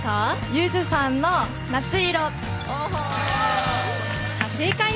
ゆずさんの「夏色」。